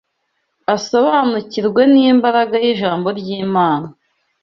asobanukirwe n’imbaraga y’ijambo ry’Imana